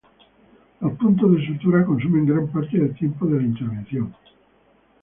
Los puntos de sutura consumen gran parte del tiempo de la intervención.